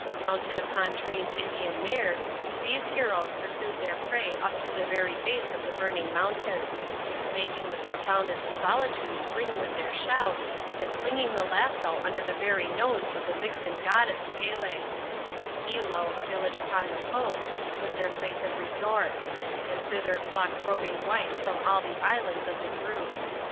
Mounted upon trained Indian mares, these heroes pursued their prey up to the very base of the burning mountains ; making the profoundest solitudes ring with their shouts, and flinging the lasso under the very nose of the vixen goddess Pelee, Hilo, a village upon the coast, was their place of resort ; and thither flocked roving whites from all the islands of the group.